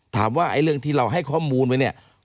ถามว่าไอ้เรื่องที่เราให้ข้อมูลไว้เนี่ย